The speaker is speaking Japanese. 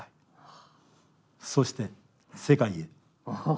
そして世界へ。